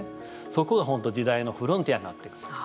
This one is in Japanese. そこが本当、時代のフロンティアになっていくと。